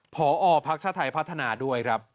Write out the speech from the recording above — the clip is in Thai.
พอพักชาติไทยพัฒนาด้วยครับ